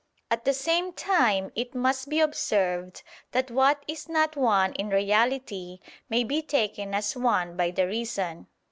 At the same time it must be observed that what is not one in reality may be taken as one by the reason.